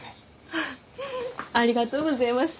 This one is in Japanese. ありがとうごぜいます。